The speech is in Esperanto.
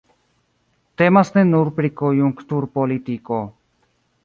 Temas ne nur pri konjunkturpolitiko.